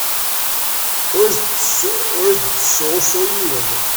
Ur as-d-ttessuɣ usu i yiwen.